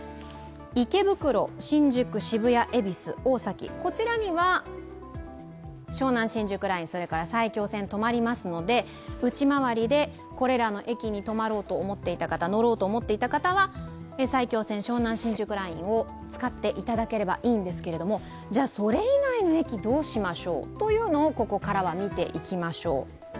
池袋、新宿、渋谷、大崎、こちらには埼京線が止まりますので内回りでこれらの駅に止まろう、乗ろうと思っていた方は埼京線、湘南新宿ラインを使っていただければいいんですけれどもそれ以外の駅、どうしましょうというのをここからは見ていきましょう。